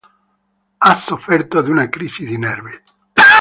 Ha sofferto di una crisi di nervi".